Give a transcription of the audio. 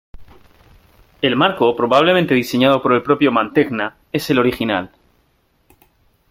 El marco, probablemente diseñado por el propio Mantegna, es el original.